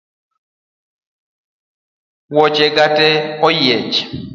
Wuoche ga tee oyiech